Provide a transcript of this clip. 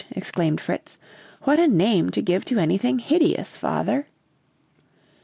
exclaimed Fritz; "what a name to give to anything 'hideous,' father!"